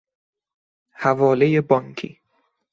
حوالهی بانکی